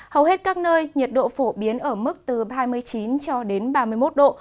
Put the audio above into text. hầu hết các nơi nhiệt độ phổ biến ở mức từ hai mươi chín cho đến ba mươi một độ